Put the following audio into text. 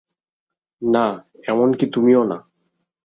না এমনকি তুমিও না।